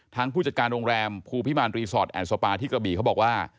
ผู้จัดการโรงแรมภูพิมารรีสอร์ทแอนดสปาที่กระบี่เขาบอกว่า